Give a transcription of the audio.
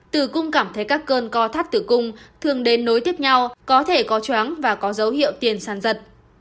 tử cung cảm thấy các cơn co thắt tử cung thường đến nối tiếp nhau có thể có choáng và có dấu hiệu tiền sàn giật